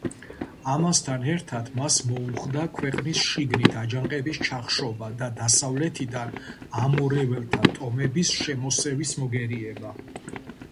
ამასთან ერთად მას მოუხდა ქვეყნის შიგნით აჯანყების ჩახშობა და დასავლეთიდან ამორეველთა ტომების შემოსევის მოგერიება.